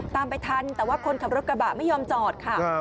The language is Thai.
ไปทันแต่ว่าคนขับรถกระบะไม่ยอมจอดค่ะ